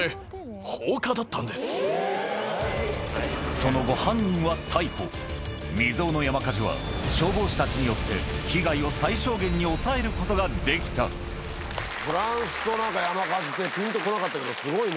その後犯人は逮捕未曽有の山火事は消防士たちによって被害を最小限に抑えることができたフランスと山火事ってピンと来なかったけどすごいね。